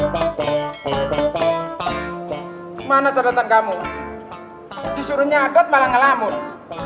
bagaimana cara datang kamu disuruh nyadat malah ngelamun